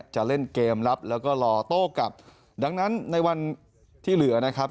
จะเล่นเกมรับแล้วก็รอโต้กลับดังนั้นในวันที่เหลือนะครับ